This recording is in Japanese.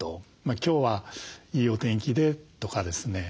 今日はいいお天気でとかですね